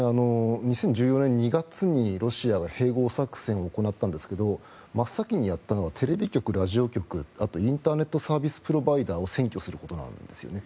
２０１４年２月にロシアが併合作戦を行ったんですけど真っ先にやったのはテレビ局、ラジオ局あとインターネットサービスプロバイダーを占拠することなんですよね。